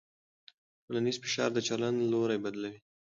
ټولنیز فشار د چلند لوری بدلوي.